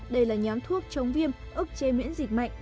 đây là nhóm thuốc chống viêm ức chế miễn dịch mạnh